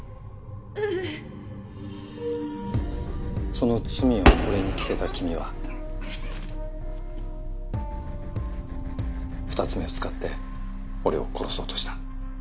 その罪を俺に着せた君は２つ目を使って俺を殺そうとした。